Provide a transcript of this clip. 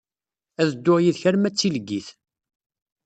Ad dduɣ yid-k arma d tileggit.